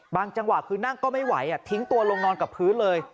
จังหวะคือนั่งก็ไม่ไหวทิ้งตัวลงนอนกับพื้นเลย